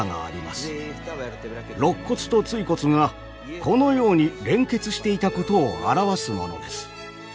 ろっ骨と椎骨がこのように連結していたことを表すものです。